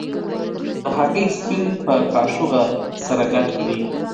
د هګۍ سپین په کاشوغه سره ګډ کړئ.